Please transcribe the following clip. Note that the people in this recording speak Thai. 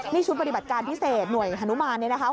นี่ชุดปฏิบัติการพิเศษหน่วยฮานุมานเนี่ยนะคะ